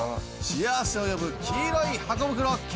幸せを呼ぶ黄色いハコ袋見参！